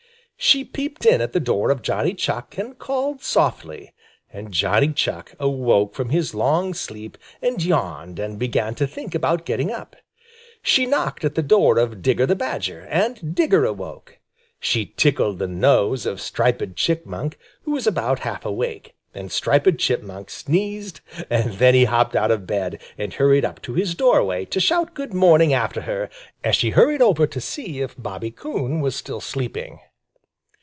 She peeped in at the door of Johnny Chuck and called softly, and Johnny Chuck awoke from his long sleep and yawned and began to think about getting up. She knocked at the door of Digger the Badger, and Digger awoke. She tickled the nose of Striped Chipmunk, who was about half awake, and Striped Chipmunk sneezed and then he hopped out of bed and hurried up to his doorway to shout good morning after her, as she hurried over to see if Bobby Coon was still sleeping.